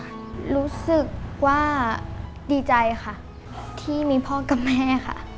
รู้สึกว่าดีใจค่ะที่มีพ่อกับแม่ค่ะ